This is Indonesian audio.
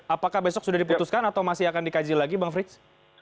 apakah besok sudah diputuskan atau masih akan dikaji lagi bang frits